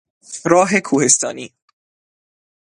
راه کوهستانی